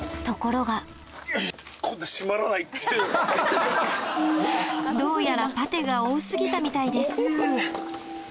ところがどうやらパテが多過ぎたみたいです